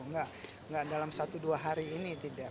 nggak dalam satu dua hari ini tidak